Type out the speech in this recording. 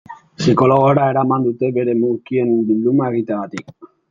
Psikologora eraman dute bere mukien bilduma egiteagatik.